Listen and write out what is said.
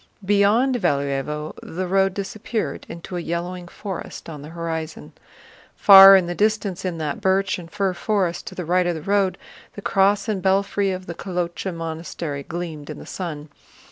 Beyond Valúevo the road disappeared into a yellowing forest on the horizon. Far in the distance in that birch and fir forest to the right of the road, the cross and belfry of the Kolochá Monastery gleamed in the sun.